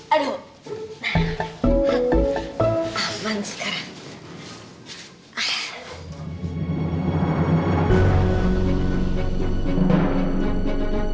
aduh aman sekarang